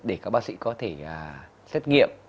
để các bác sĩ có thể xét nghiệm